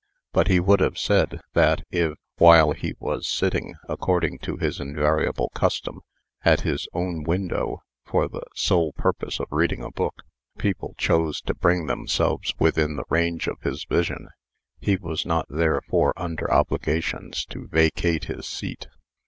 But he would have said, that if, while he was sitting, according to his invariable custom, at his own window, for the sole purpose of reading a book, people chose to bring themselves within the range of his vision, he was not therefore under obligations to vacate his seat.